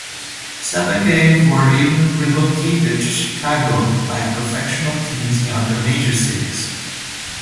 Seven games were even relocated to Chicago by professional teams in other major cities.